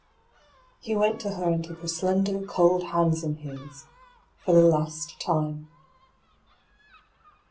" He went to her and took her slender, cold hands in his — for the last time.